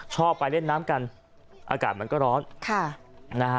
ชอบไปเล่นน้ำกันอากาศมันก็ร้อน